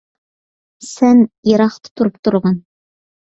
سەن يىراقتا تۇرۇپ تۇرغىن.